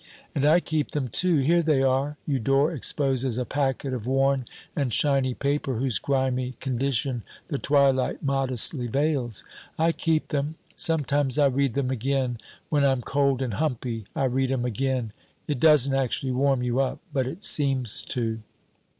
"And I keep them, too. Here they are." Eudore exposes a packet of worn and shiny paper, whose grimy condition the twilight modestly veils. "I keep them. Sometimes I read them again. When I'm cold and humpy, I read 'em again. It doesn't actually warm you up, but it seems to."